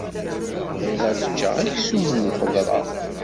Bɣiɣ ad ččeɣ aksum d lxeḍra.